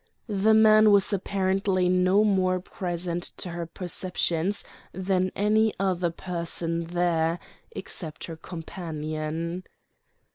The man was apparently no more present to her perceptions than any other person there, except her companion.